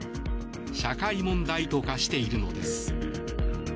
社会問題と化しているのです。